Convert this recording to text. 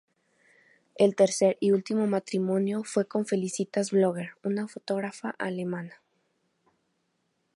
El tercer y último matrimonio fue con Felicitas Vogler, una fotógrafa alemana.